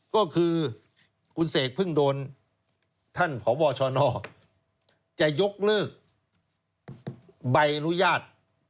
ก็คือคุณเสกเพิ่งโดนท่านพบชนจะยกเลิกใบอนุญาต